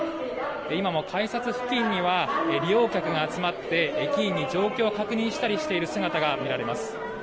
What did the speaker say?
今も改札付近には利用客が集まって駅員に状況を確認したりしている姿が見られます。